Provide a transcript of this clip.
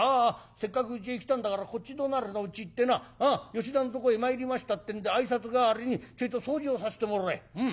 せっかくうちへ来たんだからこっち隣のうち行ってな吉田んとこへ参りましたってんで挨拶代わりにちょいと掃除をさせてもらえうん。